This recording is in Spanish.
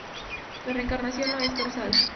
La reencarnación no es casual.